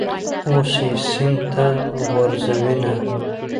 اوس یې سین ته غورځوینه.